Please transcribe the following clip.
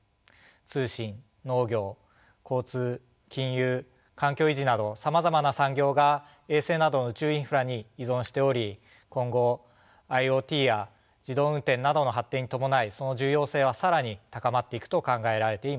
通信農業交通金融環境維持などさまざまな産業が衛星などの宇宙インフラに依存しており今後ＩｏＴや自動運転などの発展に伴いその重要性は更に高まっていくと考えられています。